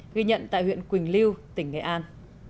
ghi nhận tại huyện quỳnh liêu tỉnh nghệ an